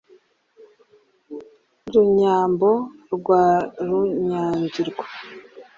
runyambo rwa runyagirwa